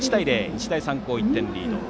日大三高、１点リード。